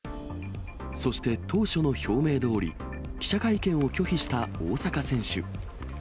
そして当初の表明どおり、記者会見を拒否した大坂選手。